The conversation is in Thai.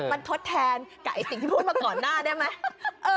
มันทดแทนกับสิ่งที่พูดมาก่อนหน้าได้ไหม